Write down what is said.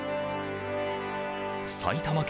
埼玉県